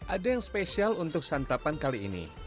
ada yang spesial untuk santapan kali ini